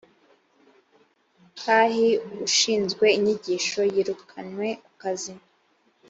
khi ushinzwe inyigisho yirukanwe ku kazi.